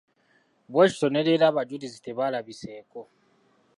Bwe kityo ne leero abajulizi tebalabiseeko.